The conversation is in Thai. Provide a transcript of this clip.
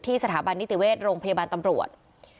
สถาบันนิติเวชโรงพยาบาลตำรวจ